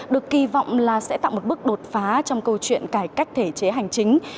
được kỳ vọng là sẽ tạo một bước đột phá trong câu chuyện cải cách thể chế hành chính